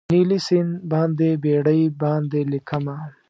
نیلي سیند باندې بیړۍ باندې لیکمه